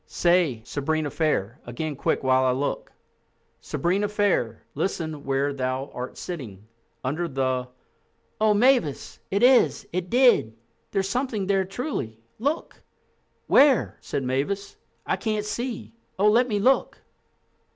"Say, 'Sabrina fair' again quick while I look." "'Sabrina fair, Listen where thou art sitting, Under the—'" "Oh, Mavis, it is—it did. There's something there truly. Look!" "Where?" said Mavis. "I can't see—oh, let me look."